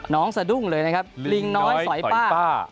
น้องสดุ้งเลยนะครับลิงน้อยสอยป้า